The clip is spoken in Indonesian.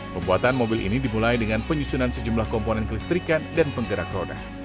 pembuatan mobil ini dimulai dengan penyusunan sejumlah komponen kelistrikan dan penggerak roda